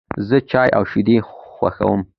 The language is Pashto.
زه چای او شیدې خوښوم.